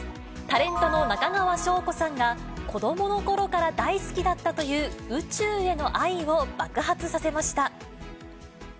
タレントの中川翔子さんが、子どものころから大好きだったという、宇宙への愛を爆発させました。